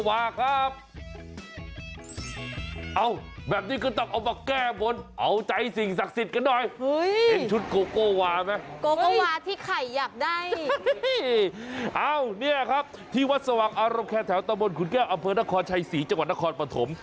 อ้าวเนี่ยครับที่วัดสวัสดิ์อารมณ์แขนแถวตะบนขุนแก้วอำเภอนครชัย๔จังหวัดนครปฐม